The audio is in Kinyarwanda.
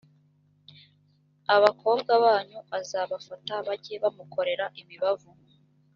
abakobwa banyu azabafata bajye bamukorera imibavu